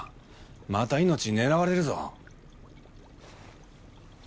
また命狙われるぞ。